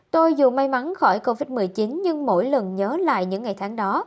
tôi dù may mắn khỏi covid một mươi chín nhưng mỗi lần nhớ lại những ngày tháng đó